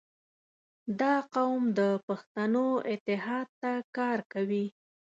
• دا قوم د پښتنو اتحاد ته کار کوي.